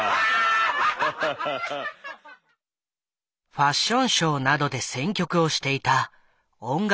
ファッションショーなどで選曲をしていた音楽